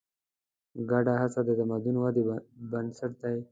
ګډه هڅه د تمدن ودې بنسټ دی.